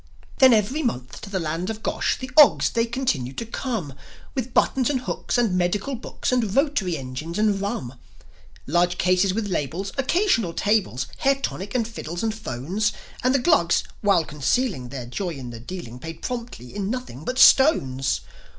Then every month to the land of the Gosh The Ogs, they continued to come, With buttons and hooks, and medical books, And rotary engines, and rum, Large cases with labels, occasional tables, Hair tonic and fiddles and 'phones; And the Glugs, while copncealing their joy in the dealing, Paid promptly in nothing but stones.